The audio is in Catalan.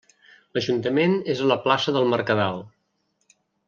L'ajuntament és a la plaça del Mercadal.